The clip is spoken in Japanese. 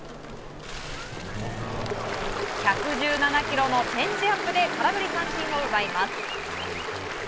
１１７キロのチェンジアップで空振り三振を奪います。